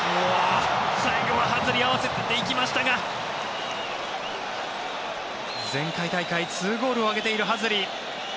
最後はハズリ合わせていきましたが前回大会２ゴールを挙げているハズリ。